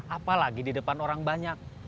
apalagi di depan orang banyak